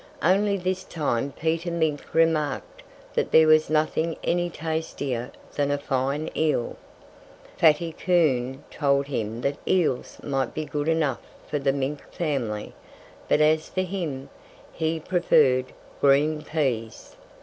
Only this time Peter Mink remarked that there was nothing any tastier than a fine eel. Fatty Coon told him that eels might be good enough for the Mink family, but as for him, he preferred green peas.